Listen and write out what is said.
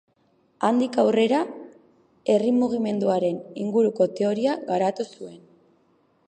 Handik aurrera herri-mugimenduaren inguruko teoria garatu zuen.